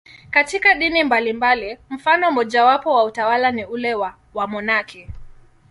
Katika dini mbalimbali, mfano mmojawapo wa utawa ni ule wa wamonaki.